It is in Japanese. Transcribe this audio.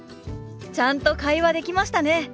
ちゃんと会話できましたね！